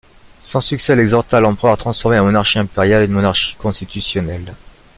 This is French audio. Sans succès, il exhorta l'empereur à transformer la monarchie impériale en une monarchie constitutionnelle.